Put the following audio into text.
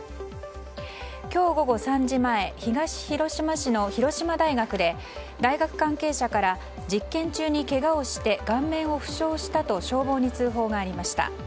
今日午後３時前、東広島市の広島大学で、大学関係者から実験中にけがをして顔面を負傷したと消防に通報がありました。